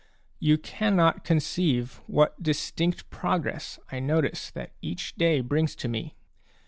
You cannot conceive what distinct progress I notice that each day brings to me.